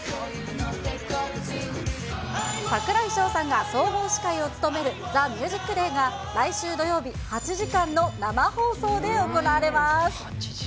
櫻井翔さんが総合司会を務める、ＴＨＥＭＵＳＩＣＤＡＹが来週土曜日、８時間の生放送で行われます。